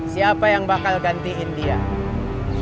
saya mau ketemu kang mus dulu